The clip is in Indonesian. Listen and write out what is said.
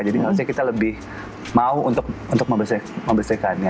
jadi harusnya kita lebih mau untuk membersihkannya